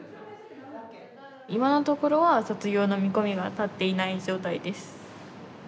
今のところは卒業の見込みが立っていない状態です。